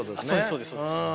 そうですそうです。